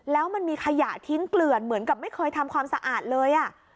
แล้วมันมีขยะทิ้งเกลื่อนเหมือนกับไม่เคยทำความสะอาดเลย